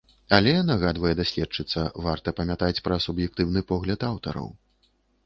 Але, нагадвае даследчыца, варта памятаць пра суб'ектыўны погляд аўтараў.